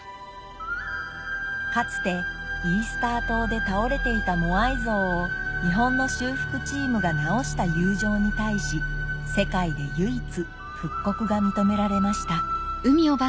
かつてイースター島で倒れていたモアイ像を日本の修復チームが直した友情に対し世界で唯一復刻が認められました